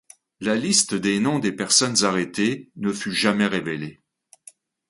La liste des noms des personnes arrêtées ne fut jamais révélée.